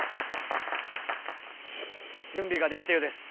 準備ができたようです。